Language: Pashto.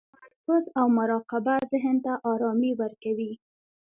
تمرکز او مراقبه ذهن ته ارامي ورکوي.